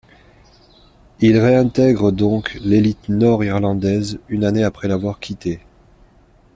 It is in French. Il réintègre donc l'élite nord irlandaise une année après l'avoir quittée.